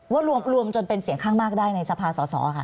ว่ารวบรวมจนเป็นเสียงข้างมากได้ในสภาษณ์ส่อค่ะ